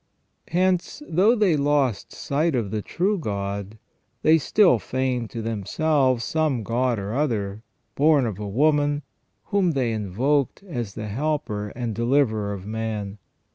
Hence, though they lost sight of the true God, they still feigned to them selves some God or other, born of a woman, whom they invoked as the helper and deliverer of man.